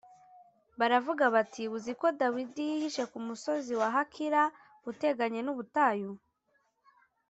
baravuga bati “Uzi ko Dawidi yihishe ku musozi w’i Hakila uteganye n’ubutayu?”